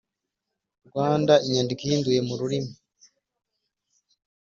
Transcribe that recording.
Rwanda inyandiko ihinduye mu rurimi